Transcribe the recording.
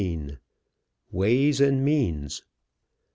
WAYS AND MEANS.